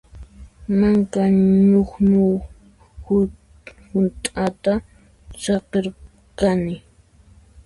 Manka ñuqñu hunt'ata saqirqani.